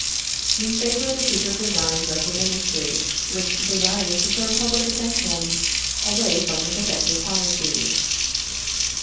We favor the secret designs of the ministry, which desires to turn public attention away from the protective policy.